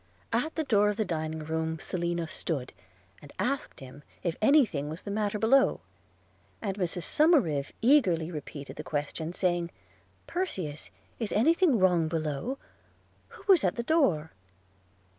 At the door of the dining room Selina stood, and asked him if any thing was the matter below; and Mrs Somerive eagerly repeated the question, saying – 'Perseus, is any thing wrong below? who was at the door?'